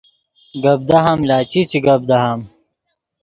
گپ دہام لا چی چے گپ دہام